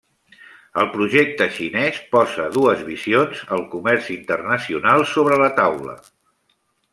El projecte xinès posa dues visions el comerç internacional sobre la taula.